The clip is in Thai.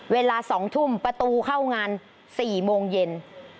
เวลา๒ทุ่มประตูเข้างาน๔โมงเย็น